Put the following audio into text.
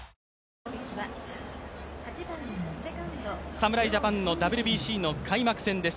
侍ジャパンのＷＢＣの開幕戦です。